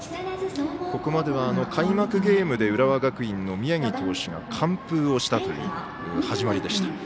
ここまでは開幕ゲームで浦和学院の宮城投手が完封をしたという始まりでした。